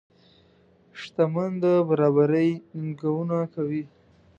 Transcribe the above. شتمن د برابرۍ ننګونه کوي.